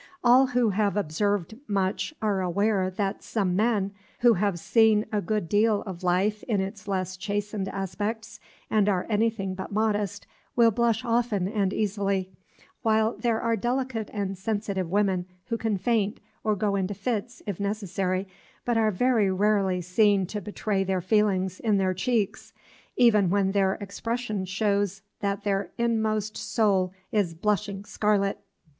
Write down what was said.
All who have observed much are aware that some men, who have seen a good deal of life in its less chastened aspects and are anything but modest, will blush often and easily, while there are delicate and sensitive women who can faint, or go into fits, if necessary, but are very rarely seen to betray their feelings in their cheeks, even when their expression shows that their inmost soul is blushing scarlet.